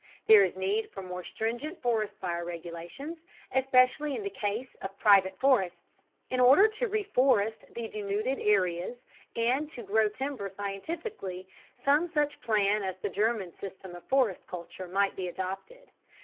There is need for more stringent forest fire regulations, especially in the case of private forests. In order to reforest the denuded areas and to grow timber scientifically some such plan as the German system of forest culture might be adopted.